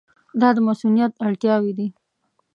دا د مصونیت اړتیاوې دي.